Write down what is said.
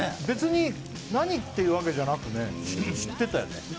べつに何っていうわけじゃなくね知ってたよね